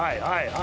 はい！